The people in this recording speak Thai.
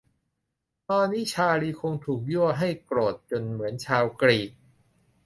ตอนนี้ชาร์ลีย์คงถูกยั่วให้โกรธจนเหมือนชาวกรีก